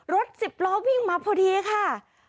รถสิบล้อวิ่งมาพอดีค่ะ